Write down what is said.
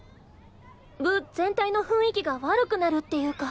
部全体の雰囲気が悪くなるっていうか。